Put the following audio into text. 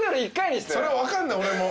それは分かんない俺も。